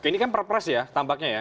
ini kan perpres ya tampaknya ya